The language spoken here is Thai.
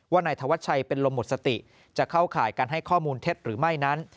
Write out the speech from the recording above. นายธวัชชัยเป็นลมหมดสติจะเข้าข่ายการให้ข้อมูลเท็จหรือไม่นั้น